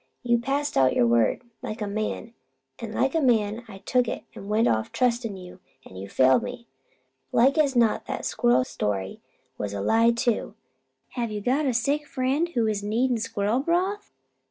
You passed out your word like a man, an' like a man I took it an' went off trustin' you, an' you failed me. Like as not that squirrel story was a lie, too! Have you got a sick friend who is needin' squirrel broth?"